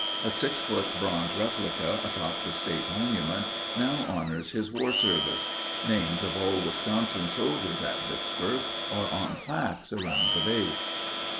A 6 foot bronze replica atop the State monument now honors his war service. Names of all Wisconsin soldiers at Vicksburg are on plaques around the base. 22.